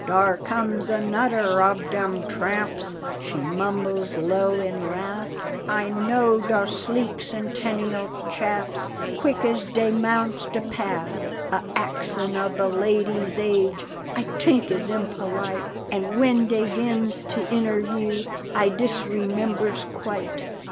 "Dar comes anodder ob dem tramps," She mumbles low in wrath, "I know dose sleek Centennial chaps Quick as dey mounts de path." A axing ob a lady's age I tink is impolite, And when dey gins to interview I disremembers quite.